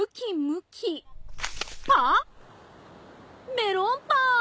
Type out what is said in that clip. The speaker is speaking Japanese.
メロンパン！